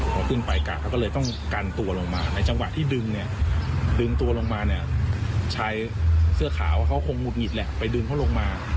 พอขึ้นไปกะก็เลยต้องกันตัวลงมาในจังหวะที่ดึงเนี่ยดึงตัวลงมาเนี่ยชายเสื้อขาวเขาคงหุดหงิดแหละไปดึงเขาลงมา